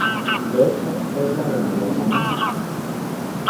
De hecho, es la de mayor tamaño.